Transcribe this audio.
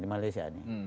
di malaysia nih